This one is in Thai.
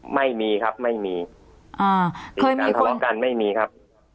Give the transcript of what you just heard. ไม่มีครับไม่มีอ่ามีการทะเลาะกันไม่มีครับ